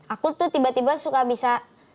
aku tuh tiba tiba suka bisa